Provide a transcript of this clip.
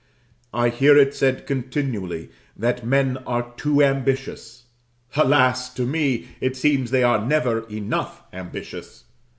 I hear it said continually that men are too ambitious: alas! to me, it seems they are never enough ambitious.